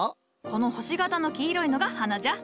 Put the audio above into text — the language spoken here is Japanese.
この星形の黄色いのが花じゃ。